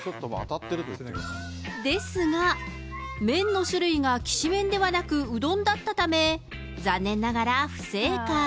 ですが、麺の種類がきしめんではなく、うどんだったため、残念ながら不正解。